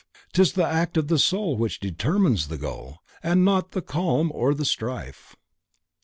'Tis the act of the soul, which determines the goal And not the calm or the strife."